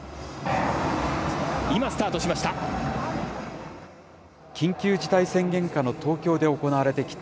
今スタートしました。